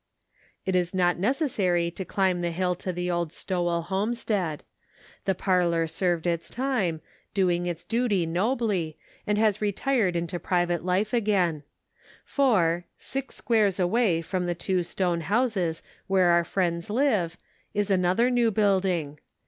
It is not necessary to climb the hill to the old Stowell homestead. The parlor served its time, doing its duty nobly, and has retired into private life again ; for, six squares away from the two stone houses where our friends live, is another new building.